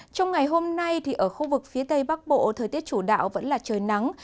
trong ngày hôm nay ở khu vực phía tây bắc bộ thời tiết chủ đạo vẫn là trời nắng